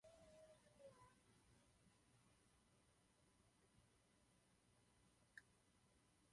Proto velmi vítám přistoupení Bulharska a Rumunska k tomuto prostoru.